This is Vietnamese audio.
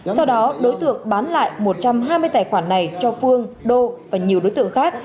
sau đó đối tượng bán lại một trăm hai mươi tài khoản này cho phương đô và nhiều đối tượng khác